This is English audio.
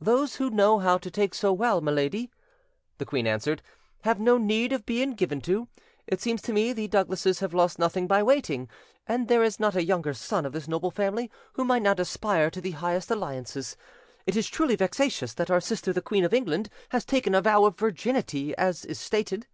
"Those who know how to take so well, my lady," the queen answered, "have no need of being given to: it seems to me the Douglases have lost nothing by waiting, and there is not a younger son of this noble family who might not aspire to the highest alliances; it is truly vexatious that our sister the queen of England has taken a vow of virginity; as is stated."